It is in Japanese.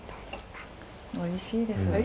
おいしいです。